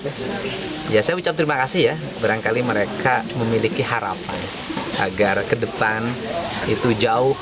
ya saya ucap terima kasih ya barangkali mereka memiliki harapan agar ke depan itu jauh